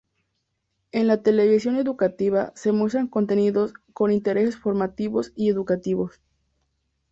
En la televisión educativa se muestran contenidos con intereses formativos y educativos.